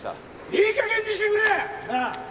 いい加減にしてくれ！なあ！